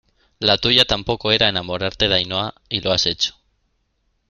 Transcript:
la tuya tampoco era enamorarte de Ainhoa y lo has hecho.